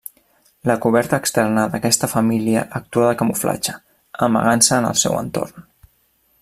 La coberta externa d'aquesta família actua de camuflatge, amagant-se en el seu entorn.